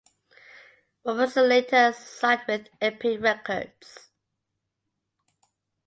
Robertson later signed with Epic Records.